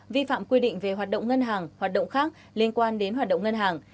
vi phạm quy định về hoạt động ngân hàng hoạt động khác liên quan đến hoạt động ngân hàng